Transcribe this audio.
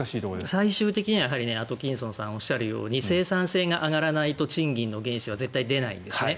最終的にはアトキンソンさんがおっしゃるように生産性が上がらないと賃金の原資は絶対に出ないんですね。